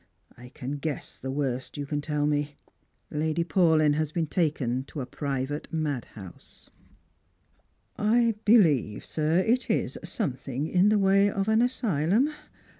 I can guess the worst you can tell me. Lady Paulyu has been taken to a private K?dhouse." Strangers and Pilgrims. 351 " I believe, sir, it is somethink in the way of an asylum.